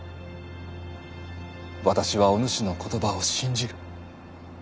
私はおぬしの言葉を信じる。